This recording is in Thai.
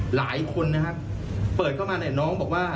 หลายคนนะครับเปิดเข้ามาเนี่ยน้องบอกว่า